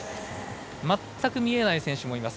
全く見えない選手もいます。